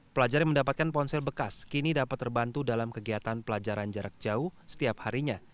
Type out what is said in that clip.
pelajar yang mendapatkan ponsel bekas kini dapat terbantu dalam kegiatan pelajaran jarak jauh setiap harinya